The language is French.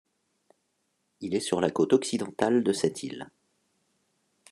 Il est sur la côte occidentale de cette île.